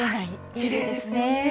きれいですよね。